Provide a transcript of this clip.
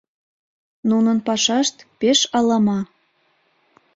Нунын пашашт пеш алама.